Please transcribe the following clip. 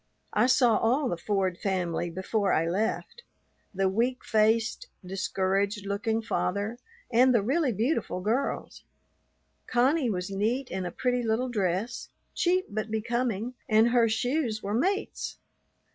I saw all the Ford family before I left, the weak faced, discouraged looking father and the really beautiful girls. Connie was neat in a pretty little dress, cheap but becoming, and her shoes were mates.